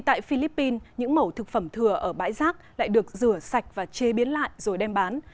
tại philippines những mẫu thực phẩm thừa ở bãi rác lại được rửa sạch và chế biến lại rồi đem bán